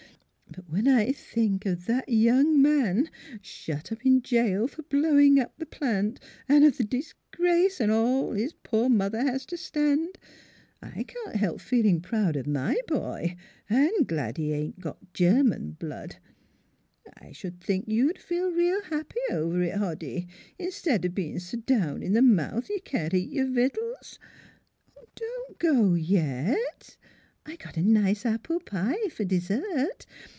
... But when I think of that young man, shut up in jail for blowing up the plant, an' of the disgrace an' all his poor mother has to stand, I ca/i't help feeling proud of my boy, an' glad he ain't got German blood, I should think you'd 334 NEIGHBORS feel real happy over it, Hoddy, instead of being so down in the mouth you can't eat your victuals. ... Don't go 'yet: I got a nice apple pie for dessert.